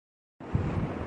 اورہوٹنگ شروع کردیں۔